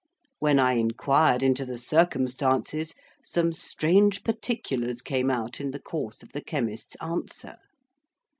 When I inquired into the circumstances, some strange particulars came out in the course of the chemist's answer.